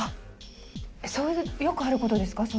そういうよくあることですか？